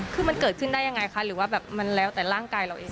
คือมันเกิดขึ้นได้ยังไงคะหรือว่าแบบมันแล้วแต่ร่างกายเราเอง